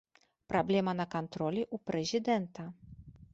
Праблема на кантролі ў прэзідэнта.